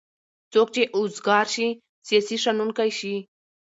څوک چې اوزګار شی سیاسي شنوونکی شي.